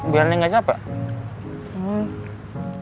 biar neng nggak capek